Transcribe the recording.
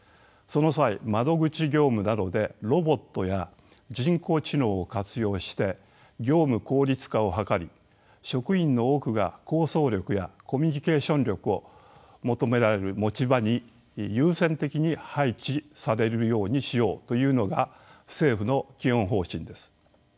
その際窓口業務などでロボットや人工知能を活用して業務効率化を図り職員の多くが構想力やコミュニケーション力を求められる持ち場に優先的に配置されるようにしようというのが政府の基本方針です。